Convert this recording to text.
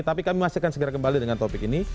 tapi kami masih akan segera kembali dengan topik ini